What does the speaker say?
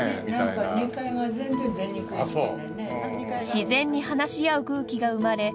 自然に話し合う空気が生まれ